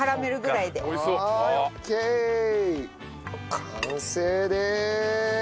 完成でーす！